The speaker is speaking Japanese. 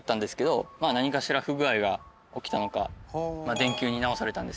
電球に直されたんですけど。